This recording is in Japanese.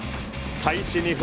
開始２分。